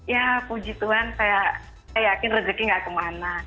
ya puji tuhan saya yakin rezeki gak kemana